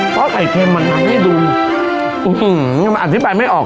เพราะไข่เค็มมันทำให้ดูมันอธิบายไม่ออก